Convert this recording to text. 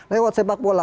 lewat sepak bola